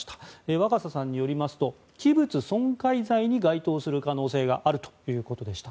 若狭さんによりますと器物損壊罪に該当する可能性があるということでした。